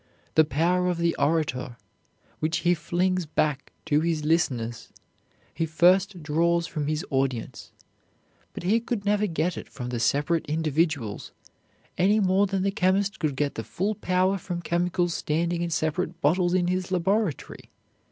The power of the orator, which he flings back to his listeners, he first draws from his audience, but he could never get it from the separate individuals any more than the chemist could get the full power from chemicals standing in separate bottles in his laboratory.